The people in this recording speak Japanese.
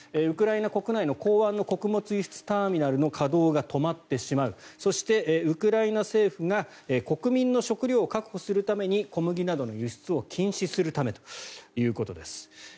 ウクライナ国内の港湾の穀物輸出ターミナルの稼働が止まってしまうそして、ウクライナ政府が国民の食料を確保するために小麦などの輸出を禁止するためということです。